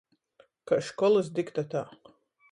Kai školys diktatā.